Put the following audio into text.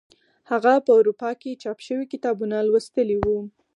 هغه په اروپا کې چاپ شوي کتابونه لوستي وو.